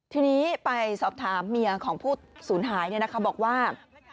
ทีนี้ไปสอบถามเมียของผู้สูญหายบอกว่า